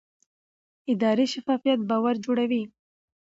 اداري شفافیت باور جوړوي